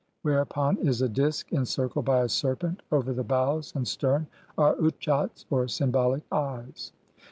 whereupon is a disk encircled by a serpent ; over the bows and stern are utchats, or symbolic eyes.